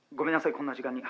こんな時間に。